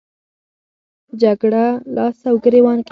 جګړه لاس او ګریوان کېده.